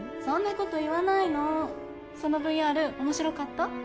そんなこと言わないのそのＶＲ面白かった？